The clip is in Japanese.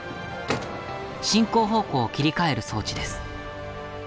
進行方向を切り替える装置です。